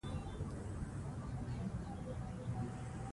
لوستې میندې د ناروغۍ پر وړاندې چمتو وي.